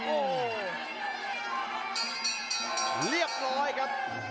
เรียบร้อยครับ